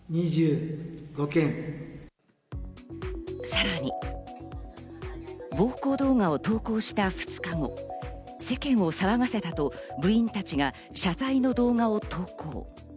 さらに、暴行動画を投稿した２日後、世間を騒がせたと部員たちが謝罪の動画を投稿。